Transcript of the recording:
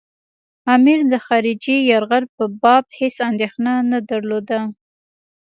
امیر د خارجي یرغل په باب هېڅ اندېښنه نه درلوده.